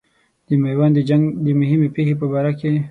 د میوند د جنګ د مهمې پیښې په باره کې.